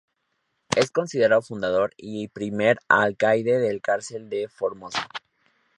Es considerado fundador y primer alcaide de la Cárcel de Formosa.